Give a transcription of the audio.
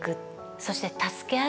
そして助け合い